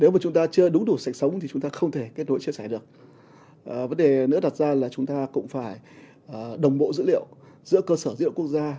vấn đề nữa đặt ra là chúng ta cũng phải đồng bộ dữ liệu giữa cơ sở dữ liệu quốc gia